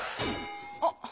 あっ！